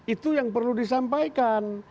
itu yang perlu disampaikan